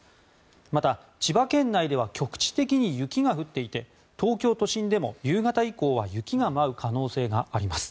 また、千葉県内では局地的に雪が降っていて東京都心でも夕方以降は雪が舞う可能性があります。